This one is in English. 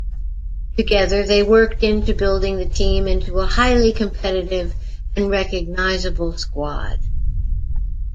Together, they worked into building the team into a highly competitive and recognizable squad.